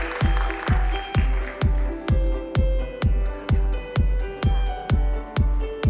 ขอบคุณครับ